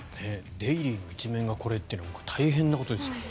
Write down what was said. デイリーの１面がこれっていうのは大変なことですよ。